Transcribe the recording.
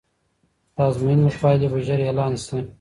د ازموینې پایلې به ژر اعلان سي.